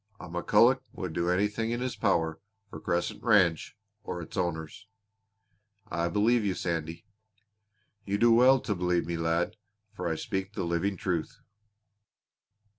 A McCulloch would do anything in his power for Crescent Ranch or its owners." "I believe you, Sandy." "You do well to believe me, lad, for I speak the living truth!"